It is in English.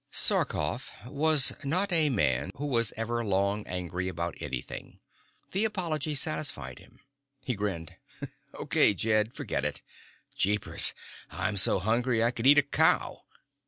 Sarkoff was not a man who was ever long angry about anything. The apology satisfied him. He grinned. "Okay, Jed. Forget it. Jeepers! I'm so hungry I could eat a cow.